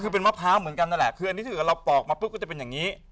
คือเป็นมะพร้าวเหมือนกันนั่นแหละคืออันนี้ถ้าเกิดเราปอกมาปุ๊บก็จะเป็นอย่างนี้